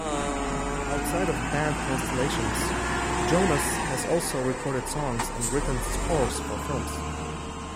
Outside of band constellations, Jonas has also recorded songs and written scores for films.